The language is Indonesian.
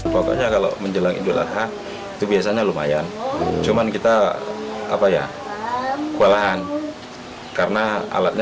pokoknya kalau menjelang idul adha itu biasanya lumayan cuman kita apa ya kewalahan karena alatnya